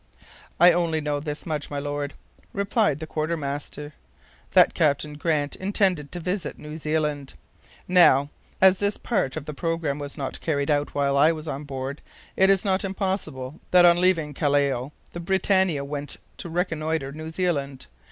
"I only know this much, my Lord," replied the quartermaster, "that Captain Grant intended to visit New Zealand. Now, as this part of the programme was not carried out while I was on board, it is not impossible that on leaving Callao the BRITANNIA went to reconnoiter New Zealand.